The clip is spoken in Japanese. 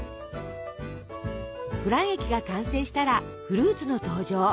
フラン液が完成したらフルーツの登場。